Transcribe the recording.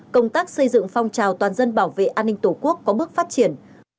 công tác xây dựng phong trào toàn dân bảo vệ an ninh tổ quốc có bước phát triển